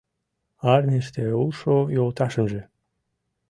Армийыште улшо йолташемже